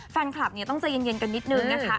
แฟนคลับต้องเย็นกันนิดนึงนะคะ